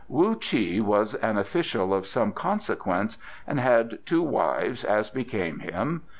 Wu Chi was an official of some consequence and had two wives, as became him.